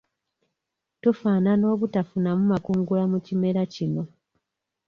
Tufaanana obutafunamu makungula mu kimera kino.